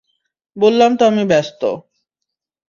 বললাম তো আমি ব্যস্ত।